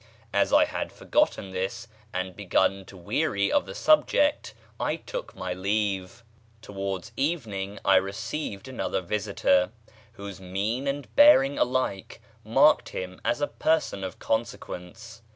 As I had forgotten this, and begun to weary of the subject, I took my leave. Towards evening I received another visitor, whose mien and bearing alike marked him as a person of consequence.